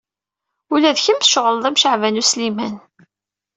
Ula d kemm tceɣleḍ am Caɛban U Sliman.